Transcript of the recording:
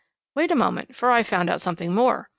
"Wait a moment, for I found out something more.